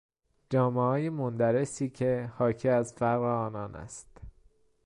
جامههای مندرسی که حاکی از فقر آنان است